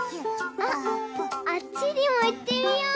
あっあっちにもいってみよう！